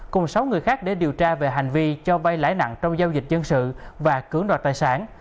cùng sáu người khác để điều tra về hành vi cho vay lãi nặng trong giao dịch dân sự và cưỡng đoạt tài sản